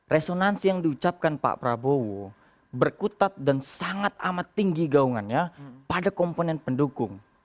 resonansi yang diucapkan pak prabowo berkutat dan sangat amat tinggi gaungannya pada komponen pendukung